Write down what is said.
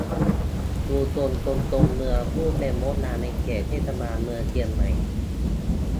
ชุมชนคนจนเมืองผู้เป็นมดงานในเขตเมืองเชียงใหม่